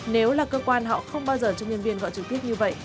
nếu là cơ quan họ không bao giờ cho nhân viên gọi trực tiếp như vậy